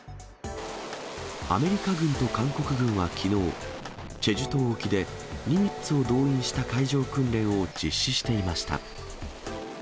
アメリカ軍と韓国軍はきのう、チェジュ島沖でニミッツを動員した訓練を実施していました。